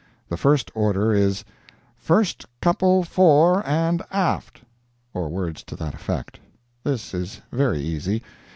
The first order is, "First couple fore and aft"—or words to that effect. This is very easy.